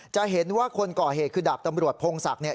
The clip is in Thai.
จะเห็นว่าคนก่อเหตุคือดาบตำรวจพงศักดิ์เนี่ย